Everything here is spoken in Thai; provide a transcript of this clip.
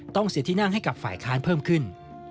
ต้องเสียที่นั่งให้กับฝ่ายค้านเพิ่มขึ้น